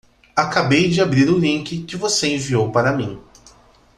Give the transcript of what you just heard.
Acabei de abrir o link que você enviou para mim.